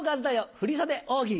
振袖大喜利。